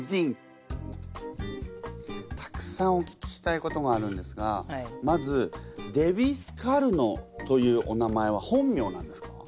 たくさんお聞きしたいことがあるんですがまずデヴィ・スカルノというお名前は本名なんですか？